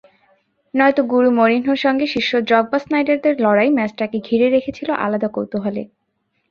নয়তো গুরু মরিনহোর সঙ্গে শিষ্য দ্রগবা-স্নাইডারদের লড়াই ম্যাচটাকে ঘিরে রেখেছিল আলাদা কৌতূহলে।